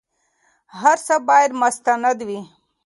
هر څه بايد مستند وي.